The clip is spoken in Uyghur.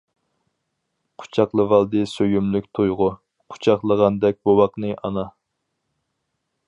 قۇچاقلىۋالدى سۆيۈملۈك تۇيغۇ، قۇچاقلىغاندەك بوۋاقنى ئانا.